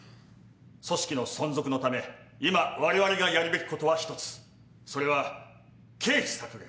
組織の存続のため今我々がやるべきこそれは経費削減。